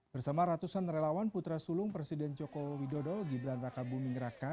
bersama ratusan relawan putra sulung presiden joko widodo gibran raka buming raka